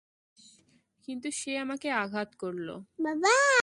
কিন্তু সে আমাকে আঘাত করল।